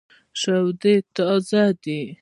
شودې تازه دي.